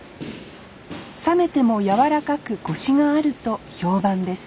冷めても柔らかくこしがあると評判です